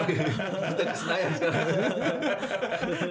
kita di senayan sekarang